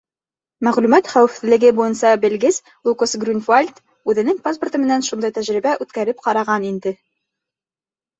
Мәғлүмәт хәүефһеҙлеге буйынса белгес Лукас Грюнвальд үҙенең паспорты менән шундай тәжрибә үткәреп ҡараған инде.